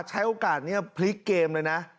ใช้โอกาสนี้พลิกเกมเลยนะ